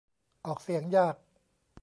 ออกเสียงยาก